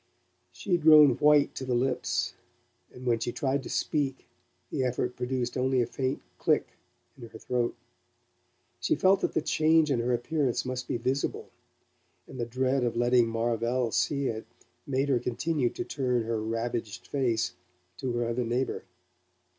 She had grown white to the lips, and when she tried to speak the effort produced only a faint click in her throat. She felt that the change in her appearance must be visible, and the dread of letting Marvell see it made her continue to turn her ravaged face to her other neighbour.